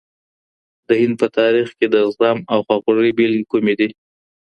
د هند په تاریخ کي د زغم او خواخوږۍ بېلګې کومې دي؟